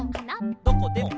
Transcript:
「どこでも」